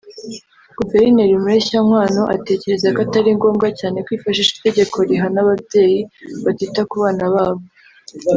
Guverineri Mureshyankwano atekereza ko atari ngombwa cyane kwifashisha itegeko rihana ababyeyi batita ku bana babo